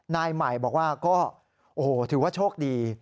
นายใหม่บอกว่าก็โอ้โหถือว่าโชคดี